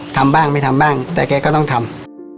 ทำบ้างไม่ทำบ้างแต่แกก็ต้องทำ